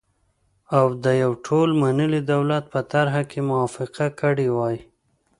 او د يوه ټول منلي دولت په طرحه یې موافقه کړې وای،